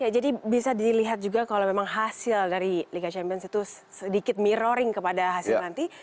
jadi bisa dilihat juga kalau memang hasil dari liga champions itu sedikit miroring kepada hasil nanti